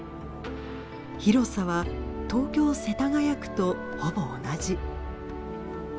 広さは東京・世田谷区とほぼ同じ。